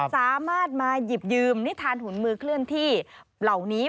สามารถมาหยิบยืมนิทานหุ่นมือเคลื่อนที่เหล่านี้